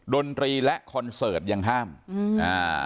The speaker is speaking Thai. ดนตรีและคอนเสิร์ตยังห้ามอืมอ่า